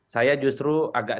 saya justru agak